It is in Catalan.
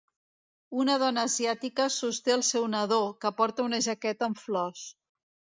Una dona asiàtica sosté el seu nadó, que porta una jaqueta amb flors.